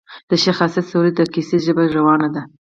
د شېخ اسعد سوري د قصيدې ژبه روانه ده.